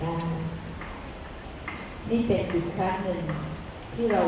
สวัสดีครับสวัสดีครับ